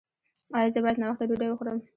ایا زه باید ناوخته ډوډۍ وخورم؟